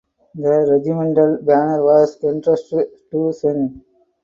The regimental banner was entrusted to Sen.